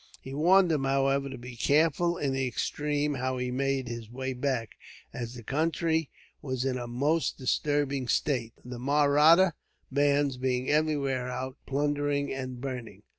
He warned him, however, to be careful in the extreme how he made his way back, as the country was in a most disturbed state, the Mahratta bands being everywhere out plundering and burning.